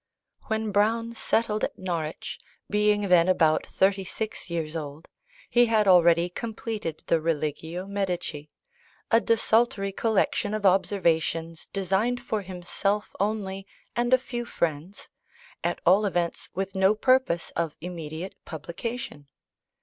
When Browne settled at Norwich, being then about thirty six years old, he had already completed the Religio Medici; a desultory collection of observations designed for himself only and a few friends, at all events with no purpose of immediate publication.